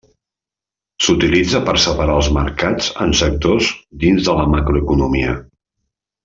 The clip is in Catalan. S'utilitza per separar els mercats en sectors dins la macroeconomia.